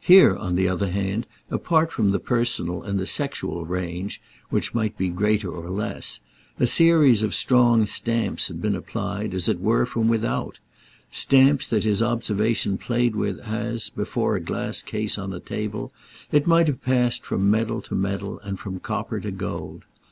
Here, on the other hand, apart from the personal and the sexual range—which might be greater or less—a series of strong stamps had been applied, as it were, from without; stamps that his observation played with as, before a glass case on a table, it might have passed from medal to medal and from copper to gold.